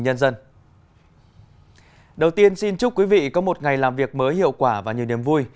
chúng mình chỉ có một ngày làm việc mới hiệu quả và nhiều niềm vui